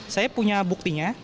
saya punya buktinya